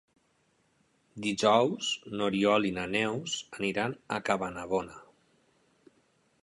Dijous n'Oriol i na Neus aniran a Cabanabona.